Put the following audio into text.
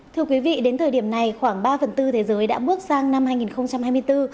thưa quý vị đến thời điểm này khoảng ba phần tư thế giới đã bước sang năm hai nghìn hai mươi bốn